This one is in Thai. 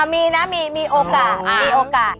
อะมีนะมีโอกาส